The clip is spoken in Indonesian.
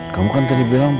kamu kan tadi bilang